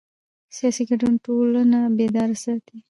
سیاسي ګډون ټولنه بیداره ساتي